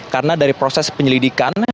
karena dari proses penyelidikan